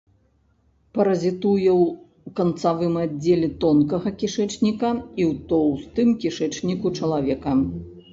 Паразітуе ў канцавым аддзеле тонкага кішэчніка і ў тоўстым кішэчніку чалавека.